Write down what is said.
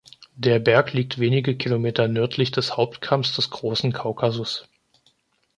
Der Berg liegt wenige Kilometer nördlich des Hauptkamms des Großen Kaukasus.